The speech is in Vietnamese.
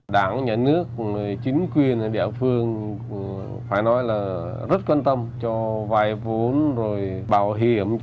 đảng nhà nước chính quyền địa phương phải nói là rất quan tâm cho vay vốn rồi bảo hiểm